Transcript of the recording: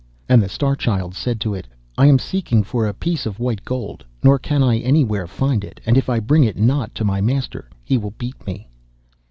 And the Star Child said to it, 'I am seeking for a piece of white gold, nor can I anywhere find it, and if I bring it not to my master he will beat me.